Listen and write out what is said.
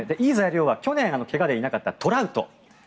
いい材料は去年怪我でいなかったトラウト。